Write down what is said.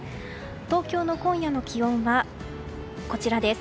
東京の今夜の気温はこちらです。